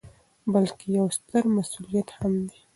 ، بلکې یو ستر مسؤلیت هم دی